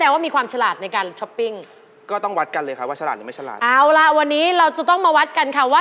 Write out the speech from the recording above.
เราก็จะคุยในเรื่องของชีวิตประจำวันเขาเป็นอย่างไร